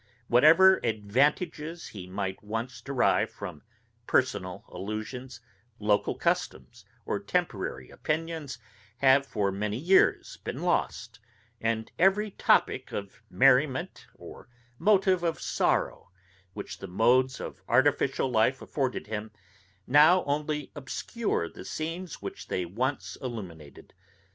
Whatever advantages he might once derive from personal allusions, local customs, or temporary opinions, have for many years been lost; and every topick of merriment, or motive of sorrow, which the modes of artificial life afforded him, now only obscure the scenes which they once illuminated.